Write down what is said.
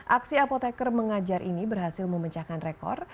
aksi apotekar mengajar ini berhasil memecahkan rekor